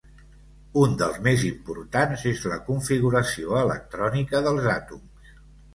Un dels més importants és la configuració electrònica dels àtoms.